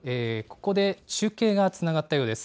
ここで中継がつながったようです。